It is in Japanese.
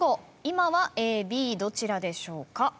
今はＡＢどちらでしょうか？